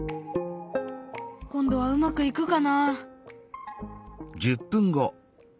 今度はうまくいくかな？